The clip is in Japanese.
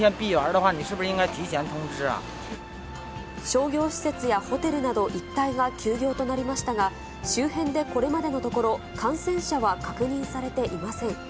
商業施設やホテルなど一帯が休業となりましたが、周辺でこれまでのところ、感染者は確認されていません。